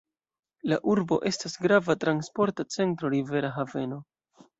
La urbo estas grava transporta centro, rivera haveno.